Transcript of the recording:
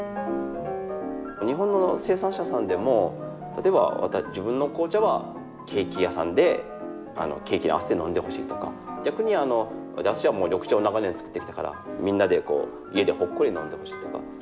日本の生産者さんでも例えば自分の紅茶はケーキ屋さんでケーキに合わせて飲んでほしいとか逆に私は緑茶を長年作ってきたからみんなで家でほっこり飲んでほしいとか。